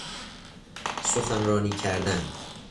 سخنرانی کردن